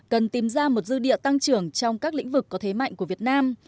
cần tìm ra một dư địa tăng trưởng trong các lĩnh vực có thế mạnh của việt nam